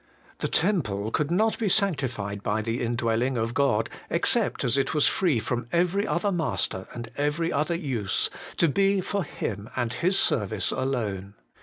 The temple could not be sanctified by the indwelling of God, except as it was free from every other master and every other use, to be for Him and His service alone.